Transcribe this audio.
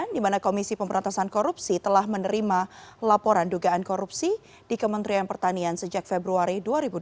di mana komisi pemberantasan korupsi telah menerima laporan dugaan korupsi di kementerian pertanian sejak februari dua ribu dua puluh